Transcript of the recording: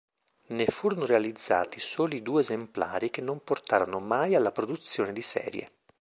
Ne furono realizzati soli due esemplari che non portarono mai alla produzione di serie.